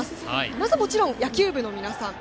まずもちろん野球部の皆さん。